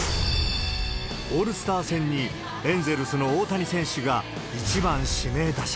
オールスター戦にエンゼルスの大谷選手が１番指名打者。